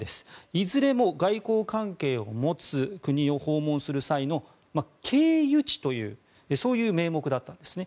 いずれも外交関係を持つ国を訪問する際の経由地という名目だったんですね。